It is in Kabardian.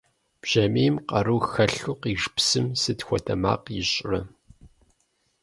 Бжьамийм къару хэлъу къиж псым сыт хуэдэ макъ ищӀрэ?